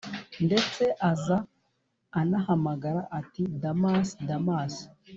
ndetse aza anahamagara ati: damas…damas…